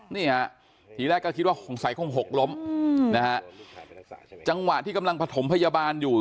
นี่ฮะทีแรกก็คิดว่าสงสัยคงหกล้มนะฮะจังหวะที่กำลังผสมพยาบาลอยู่